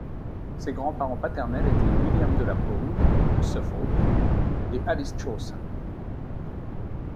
Ses grands-parents paternels étaient William de la Pole, de Suffolk et Alice Chaucer.